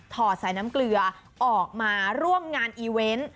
อดสายน้ำเกลือออกมาร่วมงานอีเวนต์